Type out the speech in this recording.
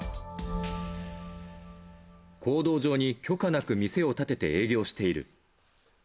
公道上に許可なく店を建てて営業している。